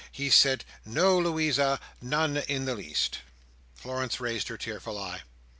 He said, 'No, Louisa, not the least!'" Florence raised her tearful eye.